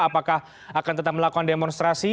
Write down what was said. apakah akan tetap melakukan demonstrasi